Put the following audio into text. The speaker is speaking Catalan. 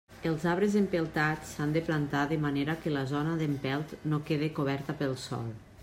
Els arbres empeltats s'han de plantar de manera que la zona d'empelt no quede coberta pel sòl.